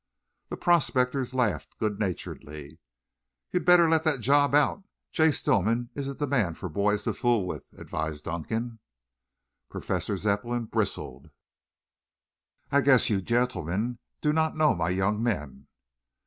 The prospectors laughed good naturedly. "You better let that job out. Jay Stillman isn't the man for boys to fool with," advised Dunkan. Professor Zepplin bristled. "I guess you gentlemen do not know my young men."